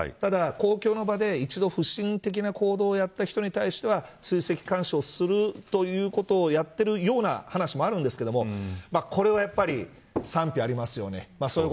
ただ、公共の場で一度不審的な行動をやった人に対しては追跡監視をするということをやっているような話もあるんですけどこれはやっぱり賛否ありますよね。